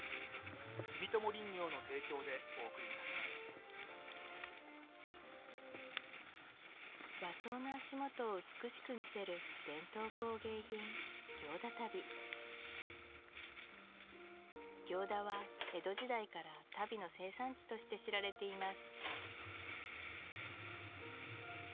糖質ゼロ和装の足元を美しく見せる伝統工芸品行田は江戸時代から足袋の生産地として知られています